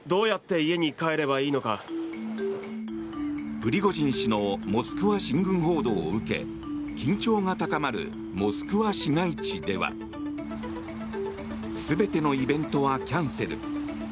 プリゴジン氏のモスクワ進軍報道を受け緊張が高まるモスクワ市街地では全てのイベントはキャンセル。